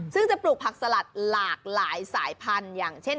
ซึ่งจะปลูกผักสลัดหลากหลายสายพันธุ์อย่างเช่น